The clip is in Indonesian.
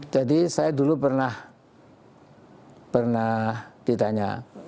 jadi saya dulu pernah ditanya